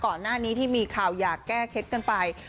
ก่อนหน้านี้ที่มีข่าวอยากแก้เคล็ดกันไป